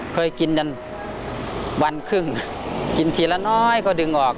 เคยกินจนวันครึ่งกินทีละน้อยก็ดึงออก